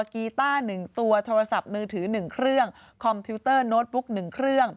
กีต้า๑ตัวโทรศัพท์มือถือ๑เครื่องคอมพิวเตอร์โน้ตบุ๊ก๑เครื่อง